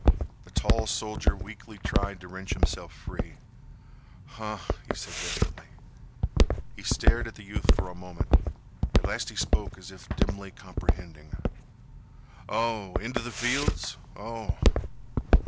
The tall soldier weakly tried to wrench himself free. "Huh," he said vacantly. He stared at the youth for a moment. At last he spoke as if dimly comprehending. "Oh! Inteh th' fields? Oh!"